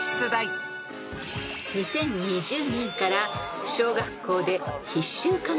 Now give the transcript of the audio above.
［２０２０年から］